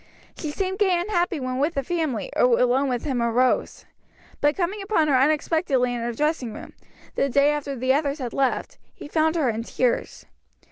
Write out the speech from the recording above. She seemed gay and happy when with the family, or alone with him or Rose; but coming upon her unexpectedly in her dressing room, the day after the others had left, he found her in tears.